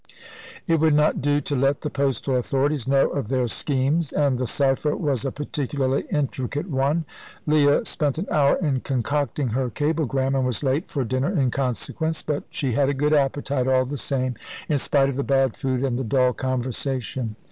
It would not do to let the postal authorities know of their schemes, and the cypher was a particularly intricate one. Leah spent an hour in concocting her cablegram, and was late for dinner in consequence. But she had a good appetite, all the same, in spite of the bad food and the dull conversation.